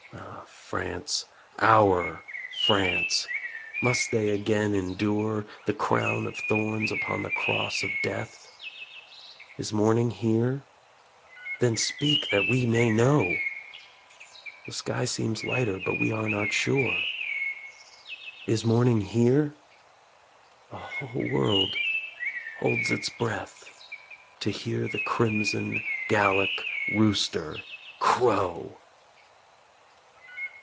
Ah, France our France must they again endure The crown of thorns upon the cross of death? Is morning here ...? Then speak that we may know! The sky seems lighter but we are not sure. Is morning here ...? The whole world holds its breath To hear the crimson Gallic rooster crow!